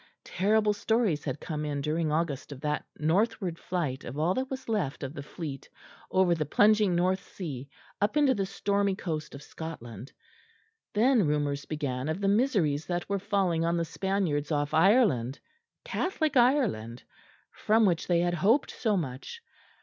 Terrible stories had come in during August of that northward flight of all that was left of the fleet over the plunging North Sea up into the stormy coast of Scotland; then rumours began of the miseries that were falling on the Spaniards off Ireland Catholic Ireland from which they had hoped so much.